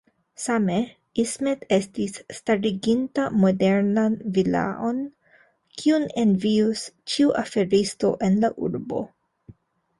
Same, Ismet estis stariginta modernan vilaon, kiun envius ĉiu aferisto en la urbo.